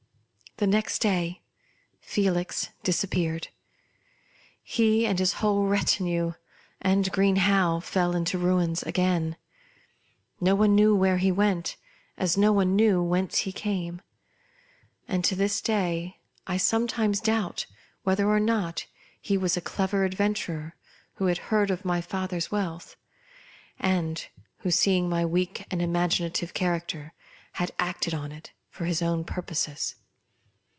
The next day Felix disappeared ; he and his whole retinue ; and Green Howe fell into ruins again. No one knew where he went, as no one knew from whence he came. And to this day I sometimes doubt whether or not he was a clever adventurer, who had heard of iny father's wealth ; and who, seeing my weak and imaginative character, had acted on it for his own purposes.